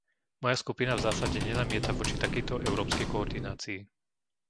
Moja skupina v zásade nenamieta voči takejto európskej koordinácii.